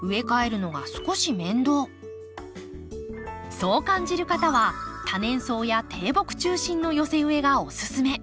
そう感じる方は多年草や低木中心の寄せ植えがおすすめ。